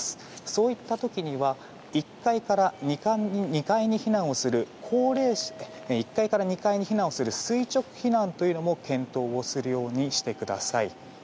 そういった時には１階から２階に避難をする垂直避難というのも検討するようにしてください。